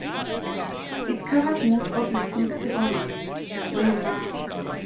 It covers most of the city of Weimar.